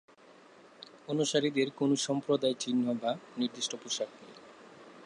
অনুসারীদের কোনও সম্প্রদায় চিহ্ন বা নির্দিষ্ট পোশাক নেই।